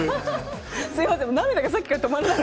すみません、涙がさっきから止まらなくて。